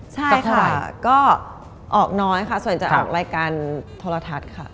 ใช่ค่ะก็ออกน้อยค่ะส่วนจะออกรายการโทรทัศน์ค่ะ